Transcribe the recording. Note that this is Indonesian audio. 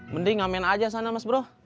mending ngamen aja sana mas bro